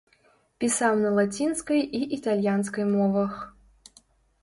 Пісаў на лацінскай і італьянскай мовах.